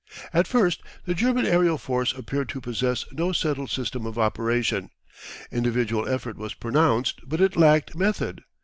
At first the German aerial force appeared to possess no settled system of operation. Individual effort was pronounced, but it lacked method.